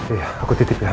iya aku titip ya